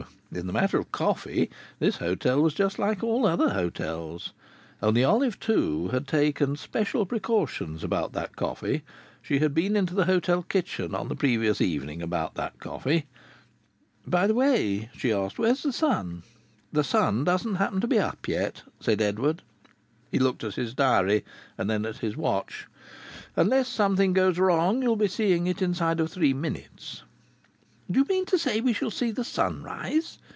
In the matter of coffee this hotel was just like all other hotels. Only Olive Two had taken special precautions about that coffee. She had been into the hotel kitchen on the previous evening about that coffee. "By the way," she asked, "where's the sun?" "The sun doesn't happen to be up yet," said Edward. He looked at his diary and then at his watch. "Unless something goes wrong, you'll be seeing it inside of three minutes." "Do you mean to say we shall see the sun rise?"